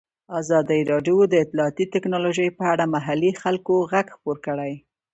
ازادي راډیو د اطلاعاتی تکنالوژي په اړه د محلي خلکو غږ خپور کړی.